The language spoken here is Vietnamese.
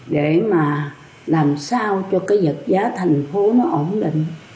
để mà làm sao cho cái vật giá thành phố nó ổn định